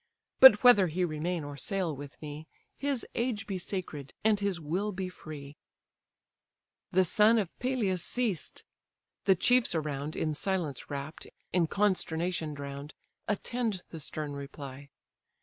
But whether he remain or sail with me, His age be sacred, and his will be free." GREEK GALLEY The son of Peleus ceased: the chiefs around In silence wrapt, in consternation drown'd, Attend the stern reply.